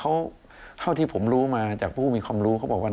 เขาเท่าที่ผมรู้มาจากผู้มีความรู้เขาบอกว่า